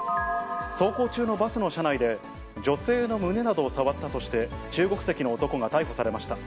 走行中のバスの車内で、女性の胸などを触ったとして中国籍の男が逮捕されました。